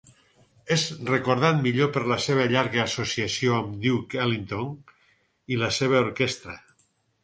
És recordat millor per la seva llarga associació amb Duke Ellington i la seva orquestra.